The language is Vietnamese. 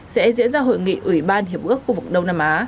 sẽ diễn ra hội nghị ủy ban hiệp ước khu vực đông nam á